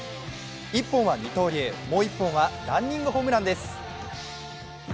１本は二刀流、もう１本はランニングホームランです。